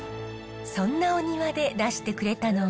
そんなお庭で出してくれたのは。